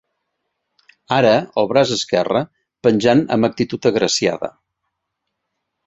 ...ara, el braç esquerre, penjant amb actitud agraciada